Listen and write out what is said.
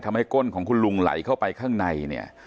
ก้นของคุณลุงไหลเข้าไปข้างในเนี่ย